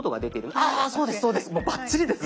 ああそうですそうです！